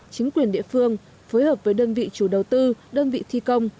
chính quyền địa phương phối hợp với đơn vị chủ đầu tư đơn vị thi công